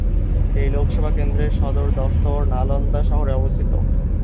এই লোকসভা কেন্দ্রের সদর দফতর নালন্দা শহরে অবস্থিত।